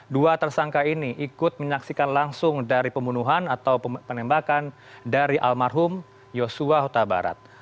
dua tersangka ini ikut menyaksikan langsung dari pembunuhan atau penembakan dari almarhum yosua huta barat